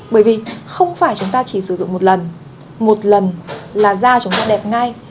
bởi vì không phải chúng ta chỉ sử dụng một lần một lần là da chúng ta đẹp ngay